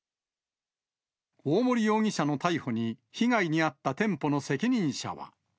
大森容疑者の逮捕に、被害に遭った店舗の責任者は。